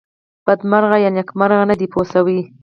بدمرغه یا نېکمرغه نه دی پوه شوې!.